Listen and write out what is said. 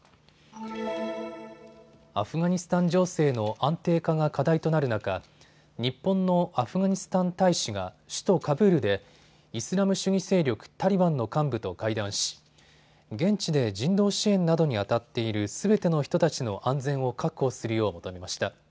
アフガニスタン情勢の安定化が課題となる中、日本のアフガニスタン大使が首都カブールでイスラム主義勢力、タリバンの幹部と会談し現地で人道支援などにあたっているすべての人たちの安全を確保するよう求めました。